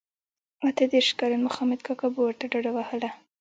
اته دیرش کلن مخامد کاکا به ورته ډډه وهله.